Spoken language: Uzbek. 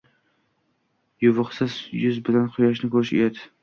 Yuvuqsiz yuz bilan quyoshni ko‘rish uyat.